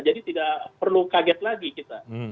jadi tidak perlu kaget lagi kita